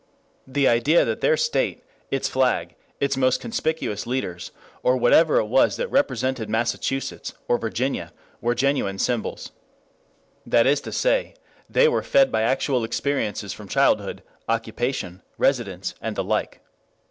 The idea of their state, its flag, its most conspicuous leaders, or whatever it was that represented Massachusetts, or Virginia, were genuine symbols. That is to say, they were fed by actual experiences from childhood, occupation, residence, and the like.